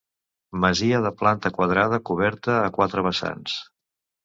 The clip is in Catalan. Masia de planta quadrada coberta a quatre vessants.